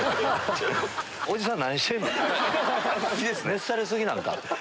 熱され過ぎなんか。